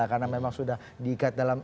karena memang sudah diikat dalam